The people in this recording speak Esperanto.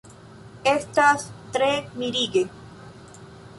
Estas tre mirige!